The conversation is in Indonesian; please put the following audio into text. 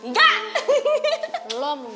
gak ada temennya